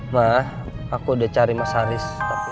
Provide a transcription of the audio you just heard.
mah aku udah cari mas haris